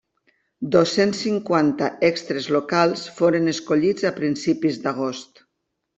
Dos-cents cinquanta extres locals foren escollits a principis d'agost.